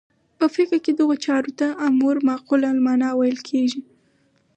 په فقه کې دغو چارو ته امور معقوله المعنی ویل شوي.